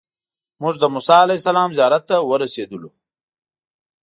موږ د موسی علیه السلام زیارت ته ورسېدلو.